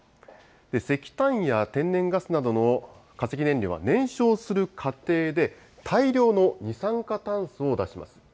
石炭や天然ガスなどの化石燃料は燃焼する過程で、大量の二酸化炭素を出します。